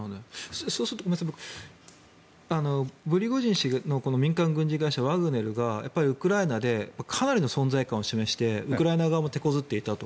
そうするとプリゴジン氏の民間軍事会社ワグネルがウクライナでかなりの存在感を示してウクライナ側も手こずっていたと。